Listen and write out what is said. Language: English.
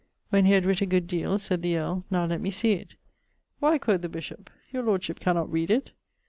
When he had writt a good deale, sayd the earle, 'Now lett me see it.' 'Why,' qᵈ the bishop, 'your lordship cannot read it?'